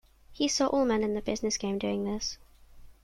He saw all men in the business game doing this.